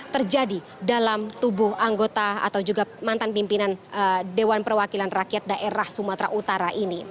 terjadi dalam tubuh anggota atau juga mantan pimpinan dewan perwakilan rakyat daerah sumatera utara ini